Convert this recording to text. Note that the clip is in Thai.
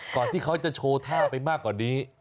ที่เขาจะโชว์ท่าไปมากกว่านี้